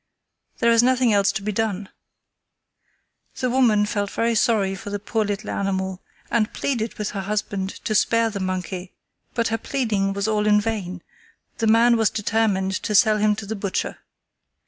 There is nothing else to be done." The woman felt very sorry for the poor little animal, and pleaded for her husband to spare the monkey, but her pleading was all in vain, the man was determined to sell him to the butcher.